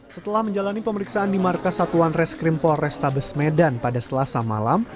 setelah menjalani pemeriksaan di markas satuan reskrim polrestabes medan pada selasa malam